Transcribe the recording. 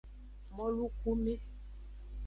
Molukume.